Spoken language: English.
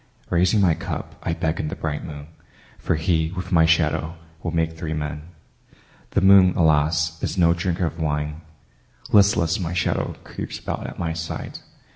Raising my cup I beckon the bright moon, For he, with my shadow, will make three men. The moon, alas, is no drinker of wine; Listless, my shadow creeps about at my side.